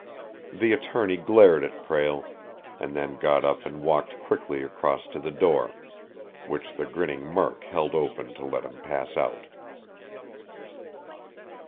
The attorney glared at Prale, and then got up and walked quickly across to the door, which the grinning Murk held open to let him pass out.